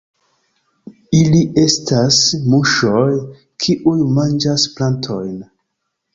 Ili estas muŝoj, kiuj manĝas plantojn.